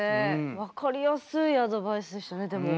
分かりやすいアドバイスでしたねでも。